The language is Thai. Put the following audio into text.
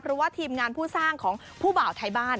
เพราะว่าทีมงานผู้สร้างของผู้บ่าวไทยบ้าน